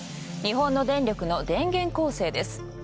日本の電力の電源構成です。